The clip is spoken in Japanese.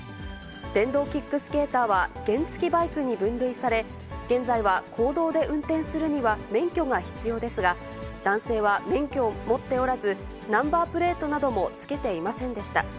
電動キックスケーターは原付きバイクに分類され、現在は公道で運転するには免許が必要ですが、男性は免許を持っておらず、ナンバープレートなどもつけていませんでした。